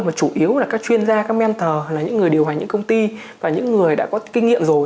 mà chủ yếu là các chuyên gia các mentor là những người điều hành những công ty và những người đã có kinh nghiệm rồi